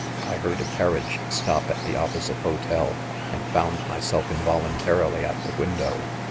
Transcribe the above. I heard a carriage stop at the opposite hotel, and found myself involun tarily at the window.